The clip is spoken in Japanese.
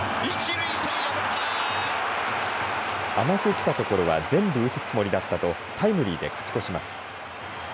あまくきたところは全部打つつもりだったとタイムリーで勝ち越します。